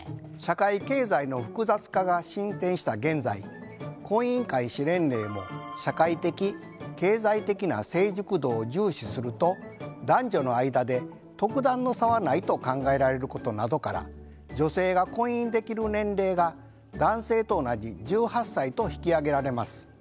社会経済の複雑化が進展した現在婚姻開始年齢も社会的経済的な成熟度を重視すると男女の間で特段の差はないと考えられることなどから女性が婚姻できる年齢が男性と同じ１８歳と引き上げられます。